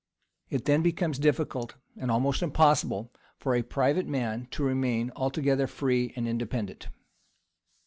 It then becomes difficult, and almost impossible, for a private man to remain altogether free and independent.